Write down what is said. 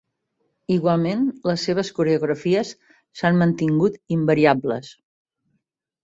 Igualment, les seves coreografies s'han mantingut invariables.